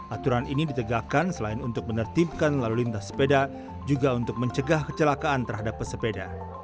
aturan ini ditegakkan selain untuk menertibkan lalu lintas sepeda juga untuk mencegah kecelakaan terhadap pesepeda